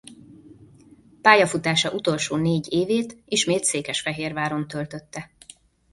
Pályafutása utolsó négy évét ismét Székesfehérváron töltötte.